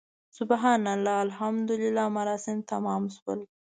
سبحان الله، الحمدلله مراسم تمام شول.